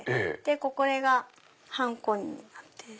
これがハンコになってる。